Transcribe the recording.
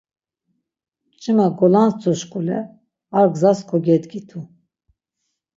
Mç̌ima golantsuşkule ar gzas kogedgitu.